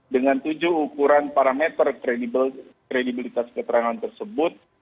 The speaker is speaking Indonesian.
dengan tujuh ukuran parameter kredibilitas keterangan tersebut